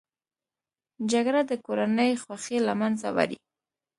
جګړه د کورنۍ خوښۍ له منځه وړي